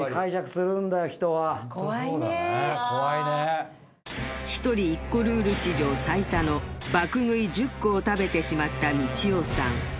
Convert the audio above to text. ホントそうだね怖いね１人１個ルール史上最多の爆食い１０個を食べてしまったみちおさん